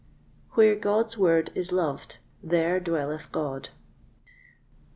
Where God's Word is loved, there dwelleth God.